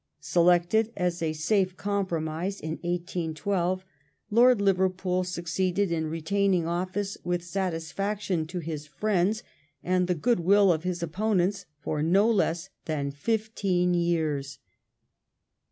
Selected as a safe com promise in 1812, Lord Liverpool succeeded in retaining office with satisfaction to his friends and the goodwill of his opponents for no less than fifteen years.